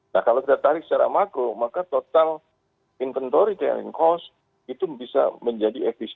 nah kalau kita tarik secara makro maka total inventory carrying cost itu bisa lebih cepat